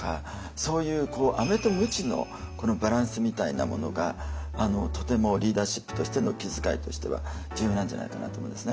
そういうアメとムチのこのバランスみたいなものがとてもリーダーシップとしての気遣いとしては重要なんじゃないかなと思うんですね。